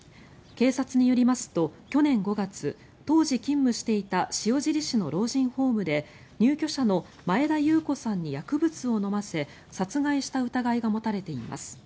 警察によりますと去年５月当時勤務していた塩尻市の老人ホームで入居者の前田裕子さんに薬物を飲ませ殺害した疑いが持たれています。